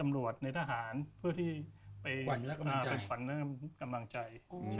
และปอวัติในทหารเพื่อที่ไปหวั่นกำลังใจ